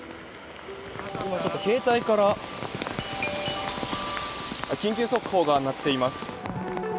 今ちょっと、携帯から緊急速報が鳴っています。